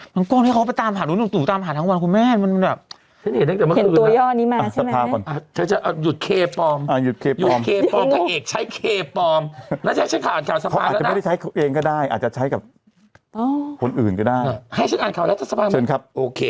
ลั้นก้อนให้เขาไปตามหาตู่ตามหาทั้งวันคุณแม่จริงมันแบบ